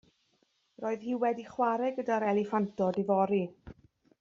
Roedd hi wedi chwarae gyda'r eliffantod ifori.